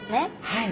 はい。